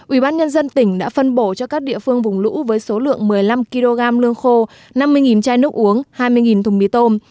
ubnd tỉnh đã phân bổ cho các địa phương vùng lũ với số lượng một mươi năm kg lương khô năm mươi chai nước uống hai mươi thùng mì tôm